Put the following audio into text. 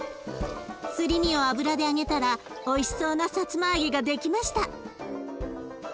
すり身を油で揚げたらおいしそうなさつま揚げが出来ました。